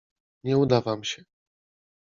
Nie uda wam się.